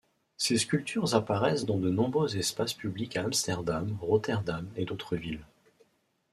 Ses sculptures apparaissent dans de nombreux espaces publics à Amsterdam, Rotterdam, et d'autres villes.